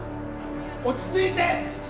落ち着いて！